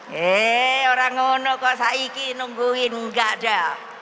hei orang orang ini nungguin enggak ada